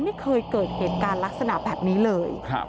ไม่เคยเกิดเหตุการณ์ลักษณะแบบนี้เลย